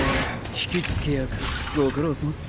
引き付け役ご苦労さまっす。